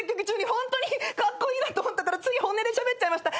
ホントにカッコイイなと思ったからつい本音でしゃべっちゃいました。